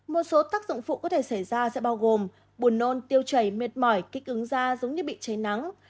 một số tác dụng phụ có thể xảy ra sẽ bao gồm buồn nôn tiêu chảy mệt mỏi kích ứng da giống như bị cháy nắng